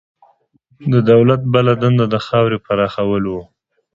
د دولت بله دنده د خاورې پراخول وو.